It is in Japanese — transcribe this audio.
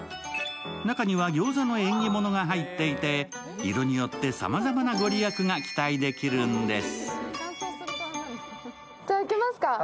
中には餃子の縁起物が入っていて、色によってさまざまな御利益が期待できるんです。